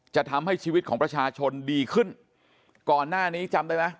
จะทำให้ชีวิตของประชาชนดีขึ้นก่อนหน้านี้จำได้ไหม